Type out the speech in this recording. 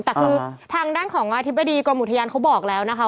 แต่คือทางด้านของอธิบดีกรมอุทยานเขาบอกแล้วนะคะ